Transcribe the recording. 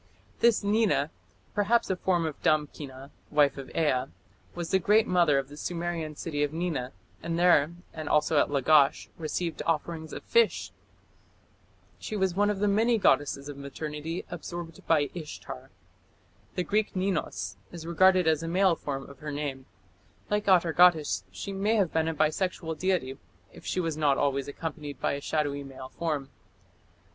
This Nina, perhaps a form of Damkina, wife of Ea, was the great mother of the Sumerian city of Nina, and there, and also at Lagash, received offerings of fish. She was one of the many goddesses of maternity absorbed by Ishtar. The Greek Ninus is regarded as a male form of her name; like Atargatis, she may have become a bisexual deity, if she was not always accompanied by a shadowy male form.